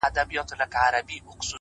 نور په ما مه کوه هوس راپسې وبه ژاړې-